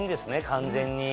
完全に。